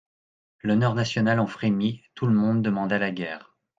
L'honneur national en frémit, tout le monde demanda la guerre.